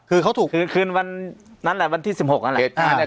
คือเขาถูกคืนวันนั้นแหละวันที่๑๖นั่นแหละ